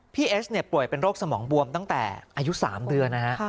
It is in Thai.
เอสเนี่ยป่วยเป็นโรคสมองบวมตั้งแต่อายุ๓เดือนนะฮะ